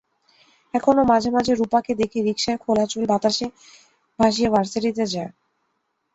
এখনো মাঝে মাঝে রূপাকে দেখি, রিকশায় খোলা চুল বাতাসে ভাসিয়ে ভার্সিটিতে যায়।